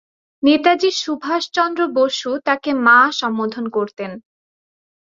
নেতাজী সুভাষ চন্দ্র বসু তাকে 'মা' সম্বোধন করতেন।